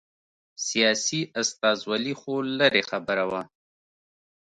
سیاسي استازولي خو لرې خبره وه.